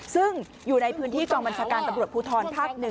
ซึ่งอยู่ในพื้นที่กองบัญชาการตำรวจภูทรภาค๑